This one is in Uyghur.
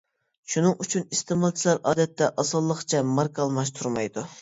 شۇنىڭ ئۈچۈن ئىستېمالچىلار ئادەتتە ئاسانلىقچە ماركا ئالماشتۇرمايدۇ.